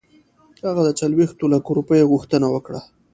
هغه د څلوېښتو لکو روپیو غوښتنه وکړه.